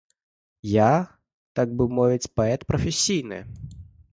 Я, так бы мовіць, паэт прафесійны.